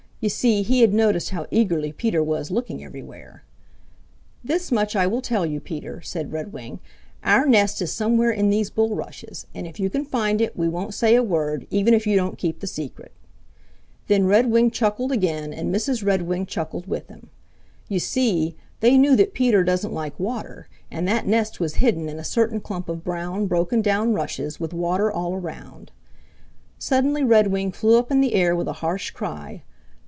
You see, he had noticed how eagerly Peter was looking everywhere. "This much I will tell you, Peter," said Redwing; "our nest is somewhere in these bulrushes, and if you can find it we won't say a word, even if you don't keep the secret." Then Redwing chuckled again and Mrs. Redwing chuckled with him. You see, they knew that Peter doesn't like water, and that nest was hidden in a certain clump of brown, broken down rushes, with water all around. Suddenly Redwing flew up in the air with a harsh cry.